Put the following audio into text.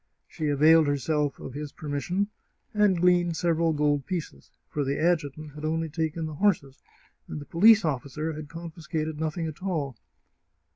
She availed herself of his permis sion, and gleaned several gold pieces; for the adjutant had only taken the horses, and the police officer had confis cated nothing at all.